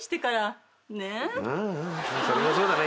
それもそうだな。